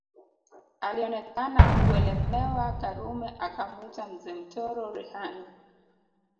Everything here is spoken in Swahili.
Alionekana kuelemewa Karume akamwita Mzee Mtoro Rehani